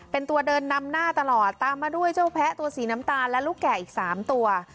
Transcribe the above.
เป็นตัวเดินนำหน้าตลอดตามมาด้วยเจ้าแพ้ตัวสีน้ำตาลและลูกแก่อีก๓ตัว